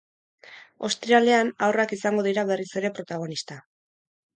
Ostiralean, haurrak izango dira berriz ere protagonista.